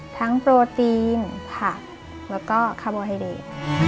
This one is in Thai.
โปรตีนผักแล้วก็คาร์โบไฮเดต